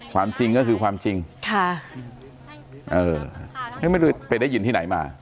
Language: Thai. ความจริงก็คือความจริงค่ะเออไม่รู้ไปได้ยินที่ไหนมา